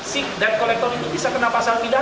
si dep kolektor itu bisa kena pasar pidana